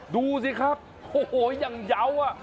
ดูสิครับโอ้โฮยังเยาว่ะ